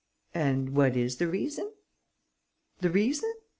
"And what is the reason?" "The reason?